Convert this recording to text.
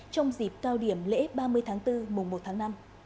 trong dịp cao điểm lễ ba mươi tháng bốn mùng một tháng năm